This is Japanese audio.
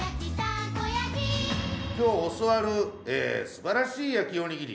今日教わるすばらしい焼きおにぎり